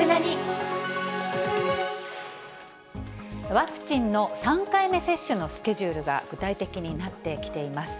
ワクチンの３回目接種のスケジュールが具体的になってきています。